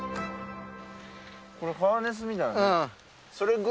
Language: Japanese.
これハーネスみたいの。